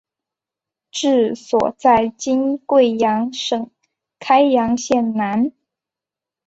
治所在今贵州省开阳县南。